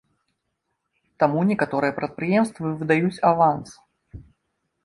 Таму некаторыя прадпрыемствы выдаюць аванс.